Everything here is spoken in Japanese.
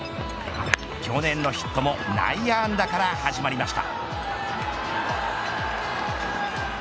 去年のヒットも内野安打から始まりました。